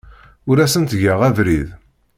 Ur asen-ttgeɣ abrid.